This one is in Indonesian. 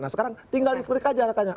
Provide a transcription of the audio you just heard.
nah sekarang tinggal diperik aja rekannya